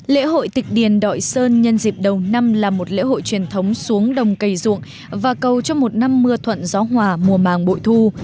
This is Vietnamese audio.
lễ hội tịch điền đội sơn nhân dịp đầu năm là một lễ hội truyền thống xuống đồng cây ruộng và cầu cho một năm mưa thuận gió hòa mùa màng bội thu